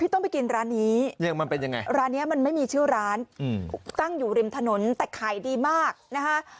ต้องไปกินร้านนี้ร้านนี้มันไม่มีชื่อร้านตั้งอยู่ริมถนนแต่ขายดีมากนะคะ